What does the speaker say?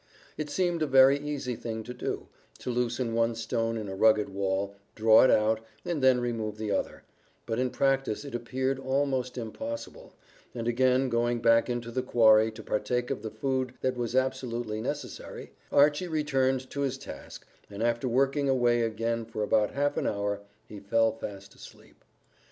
It seemed a very easy thing to do, to loosen one stone in a rugged wall, draw it out, and then remove the other, but in practice it appeared almost impossible, and again going back into the quarry to partake of the food that was absolutely necessary, Archy returned to his task, and after working away again for about half an hour he fell fast asleep.